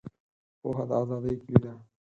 پوهه د آزادۍ کیلي ده.